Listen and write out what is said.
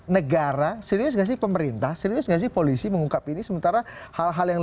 negara serius kasih pemerintah serius kasih polisi mengungkap ini sementara hal hal yang